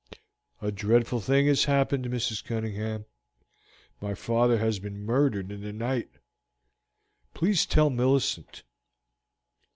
"A dreadful thing has happened, Mrs. Cunningham; my father has been murdered in the night. Please tell Millicent."